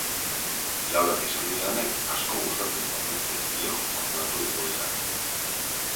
Laurak esan didanez asko gustatzen omen zaizkio horrelako igoerak.